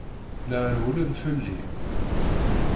La rewwlen fell-i.